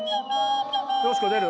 よしこ出る？